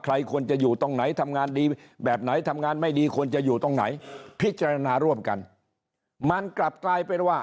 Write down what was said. ที่ควรจะอยู่ตรงไหนพิจารณาร่วมกันมันกลับกลายไปแล้วว่า